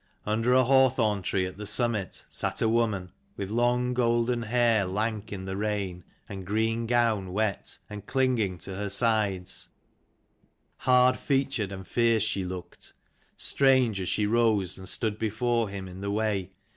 Under a hawthorn tree at the summit sat a woman, with long golden hair lank in the rain, and green gown wet, and clinging to her sides : hard featured, and fierce she looked: strange, as she rose and stood before him in the way.